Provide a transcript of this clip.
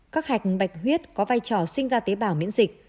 các hạch bạch huyết có vai trò sinh ra tế bào miễn dịch